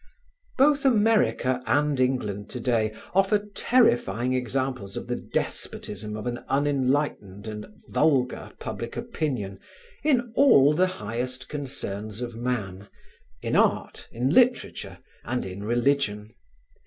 Both America and England to day offer terrifying examples of the despotism of an unenlightened and vulgar public opinion in all the highest concerns of man in art, in literature and in religion.